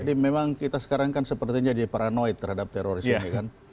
jadi memang kita sekarang kan sepertinya jadi paranoid terhadap teroris ini kan